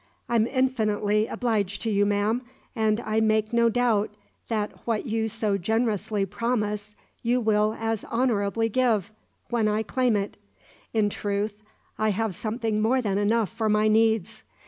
"I'm infinitely obliged to you, ma'am, and I make no doubt that what you so generously promise you will as honourably give when I claim it. In truth, I have something more than enough for my needs.